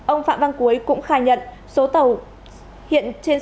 ông phạm văn cuối cũng khai nhận